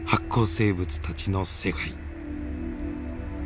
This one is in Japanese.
生物たちの世界。